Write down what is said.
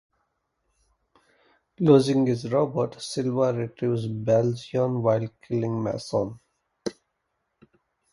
Losing his robot, Silva retrieves Balzion while killing Mason.